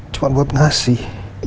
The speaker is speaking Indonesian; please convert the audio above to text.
cuma buat ngasih